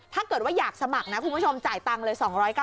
ถ้าเกิดว่าอยากสมัครนะคุณผู้ชมจ่ายตังค์เลย๒๙๐